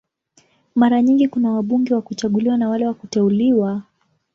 Mara nyingi kuna wabunge wa kuchaguliwa na wale wa kuteuliwa.